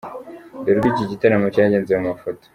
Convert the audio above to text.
Dore uko iki gitaramo cyagenze mu mafoto.